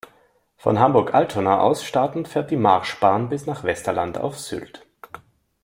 Von Hamburg-Altona aus startend fährt die Marschbahn bis nach Westerland auf Sylt.